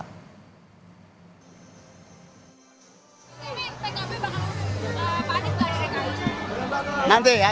pkb bakal memutuskan nama anies baswedan